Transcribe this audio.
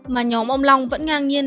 mà nhóm ông long vẫn ngang nhiên